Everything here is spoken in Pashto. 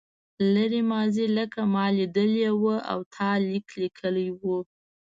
لرې ماضي لکه ما لیدلې وه او تا لیک لیکلی و.